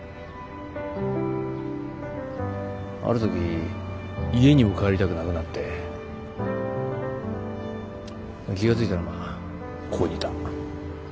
ある時家にも帰りたくなくなって気が付いたらまあここにいた。